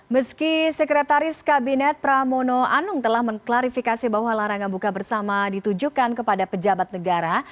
meski sekretaris kabinet pramono anung telah mengklarifikasi bahwa larangan buka bersama ditujukan kepada pejabat negara